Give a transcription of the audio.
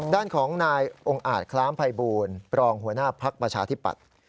ด้านของนายองค์อาจคล้ามภัยบูลรองหัวหน้าภักดิ์ประชาธิปัตย์